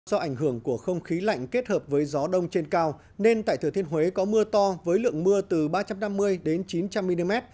do ảnh hưởng của không khí lạnh kết hợp với gió đông trên cao nên tại thừa thiên huế có mưa to với lượng mưa từ ba trăm năm mươi đến chín trăm linh mm